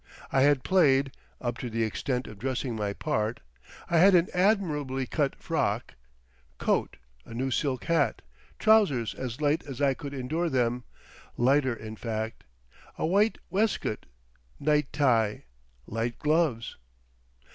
I had played—up to the extent of dressing my part; I had an admirably cut frock—coat, a new silk hat, trousers as light as I could endure them—lighter, in fact—a white waistcoat, night tie, light gloves.